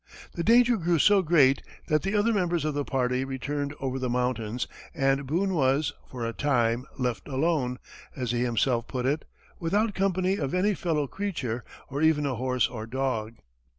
The danger grew so great, that the other members of the party returned over the mountains, and Boone was, for a time, left alone, as he himself put it, "without company of any fellow creature, or even a horse or dog."